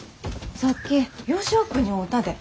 さっきヨシヲ君に会うたで。